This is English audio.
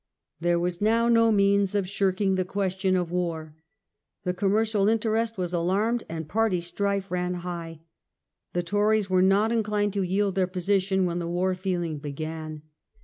There was now no means of s^iirking the question of Party struggle ^^^'^^^ Commercial interest was alarmed in England, and party strife ran high. The Tories were ^'°^ not inclined to yield their position when the war feeling began.